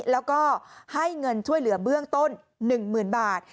แล้วก็ให้เงินช่วยเหลือเบื้องต้น๑๐๐๐บาท